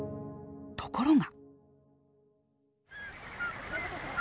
ところが。